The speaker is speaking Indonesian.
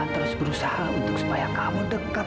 terus berusaha untuk supaya kamu dekat